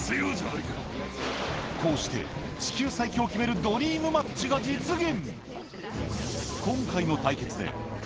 こうして地球最強を決めるドリームマッチが実現